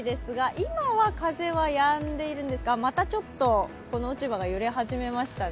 今は風はやんでいるんですが、またちょっと、この落ち葉が揺れ始めましたね。